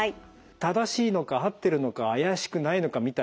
正しいのか合ってるのか怪しくないのかみたいなって